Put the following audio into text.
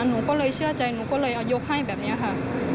หนูก็เลยเชื่อใจหนูก็เลยเอายกให้แบบนี้ค่ะ